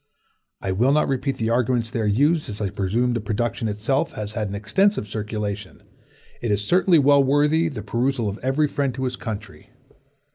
I will not repeat the arguments there used, as I presume the production itself has had an extensive circulation. It is certainly well worthy the perusal of every friend to his country.